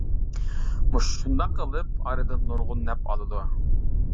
شۇنداق قىلىپ ئارىدىن نۇرغۇن نەپ ئالىدۇ.